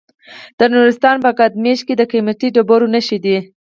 د نورستان په کامدیش کې د قیمتي ډبرو نښې دي.